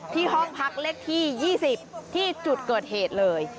ห้องพักเลขที่๒๐ที่จุดเกิดเหตุเลย